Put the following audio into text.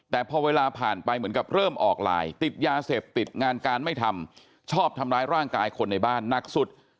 แต่พอเวลาผ่านไปเหมือนกับเริ่มออกไลน์ติดยาเสพติดงานการไม่ทำชอบทำร้ายร่างกายคนในบ้านหนักสุด